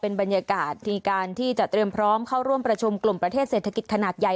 บรรยากาศที่การที่จะเตรียมพร้อมเข้าร่วมประชุมกลุ่มประเทศเศรษฐกิจขนาดใหญ่